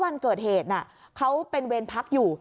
นะเขาเป็นเวรพักษณ์อยู่